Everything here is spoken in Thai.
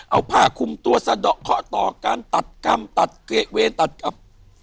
เอาผ่าคุมตัวสะดั่วเขาต่อการตัดกรรมตัดเกะเวทหลักกรรม